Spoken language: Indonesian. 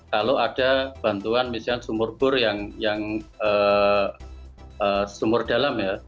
kalau ada bantuan misalnya sumur bor yang sumur dalam ya